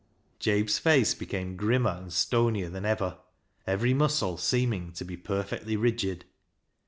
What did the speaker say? Jabe's face became grimmer and stonier than ever, every muscle seeming to be perfectly rigid.